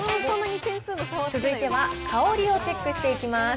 続いては香りをチェックしていきます。